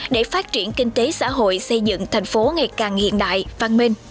để phát triển kinh tế xã hội xây dựng thành phố ngày càng hiện đại văn minh